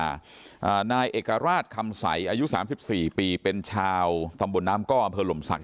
อ่านายเอกราชคำใสอายุสามสิบสี่ปีเป็นชาวตำบลน้ำก้ออำเภอหลมศักด